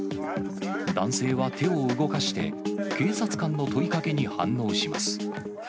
男性は手を動かして、警察官の問いかけに反応します。